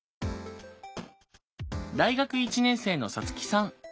大学１年生のサツキさん。